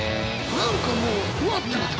何かもううわってなった。